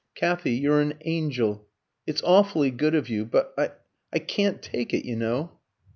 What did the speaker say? "Kathy, you're an angel; it's awfully good of you; but I I can't take it, you know."